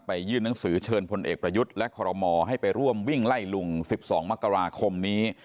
ยื่นหนังสือเชิญพลเอกประยุทธ์และคอรมอให้ไปร่วมวิ่งไล่ลุง๑๒มกราคมนี้